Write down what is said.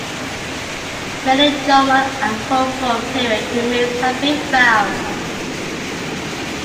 Many Jomon and Kofun period remains have been found.